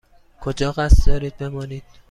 کجا قصد دارید بمانید؟